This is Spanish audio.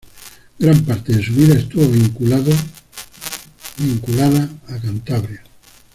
Gran parte de su vida estuvo vinculada a Cantabria.